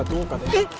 えっ！